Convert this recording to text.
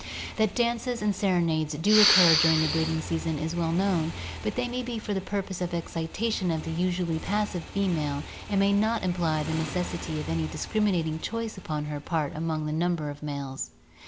That dances and serenades do occur during the breeding season is well known, but they may be for the purpose of excitation of the usually passive female and may not imply the necessity of any dis criminating choice upon her part among a number of males.